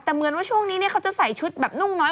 แต่เหมือนว่าช่วงนี้เขาจะใส่ชุดแบบนุ่งน้อย